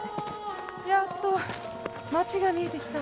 やっと街が見えてきた。